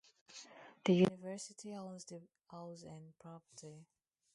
The university owns the house and property.